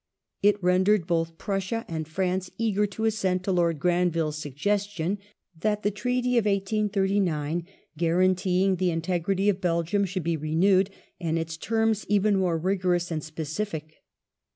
It rendered both Prussia and France eager to assent to Lord Granville's suggestion that the Treaty of 1839, guaranteeing the integrity of Belgium, should be renewed, and in terms even more rigorous and specific.